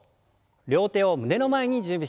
両手を胸の前に準備します。